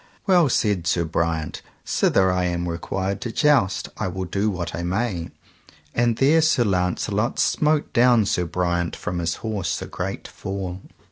Well, said Sir Briant, sithen I am required to joust I will do what I may; and there Sir Launcelot smote down Sir Briant from his horse a great fall.